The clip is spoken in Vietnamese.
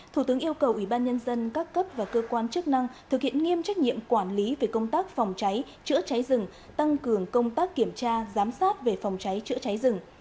thủ tướng yêu cầu ủy ban nhân dân các cấp và cơ quan chức năng thực hiện nghiêm trách nhiệm quản lý về công tác phòng cháy chữa cháy rừng tăng cường công tác kiểm tra giám sát về phòng cháy chữa cháy rừng